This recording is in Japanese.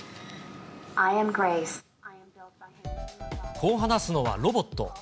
こう話すのはロボット。